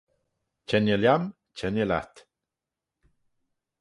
Chengey lhiam, chengey lhiat